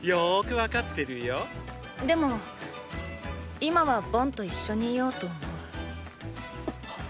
でも今はボンと一緒にいようと思う。っ！